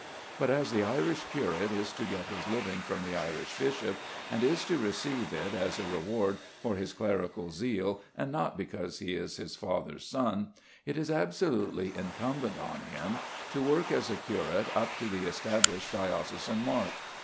But as the Irish curate is to get his living from the Irish bishop, and is to receive it as a reward for his clerical zeal, and not because he is his father's son, it is absolutely incumbent on him to work as a curate up to the established diocesan mark.